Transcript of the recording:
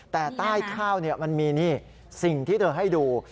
แต่ใต้ข้าวมันมีนี่สิ่งที่เธอให้ดู